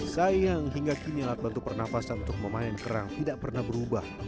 sayang hingga kini alat bantu pernafasan untuk memain kerang tidak pernah berubah